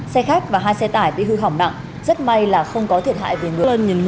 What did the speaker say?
xe khách và hai xe tải bị hư hỏng nặng rất may là không có thiệt hại về người